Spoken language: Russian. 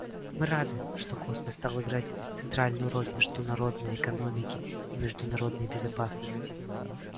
Мы рады, что космос стал играть центральную роль в международной экономике и международной безопасности.